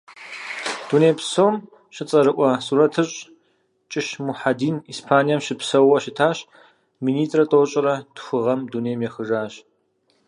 Дунейпсом щыцӏэрыӏуэ сурэтыщӏ, Кӏыщ Мухьэдин Испанием щыпсэууэ щытащ, минитӏырэ тӏощӏырэ тху гъэм дунейм ехыжащ.